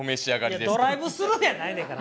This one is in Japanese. いやドライブスルーやないねんから。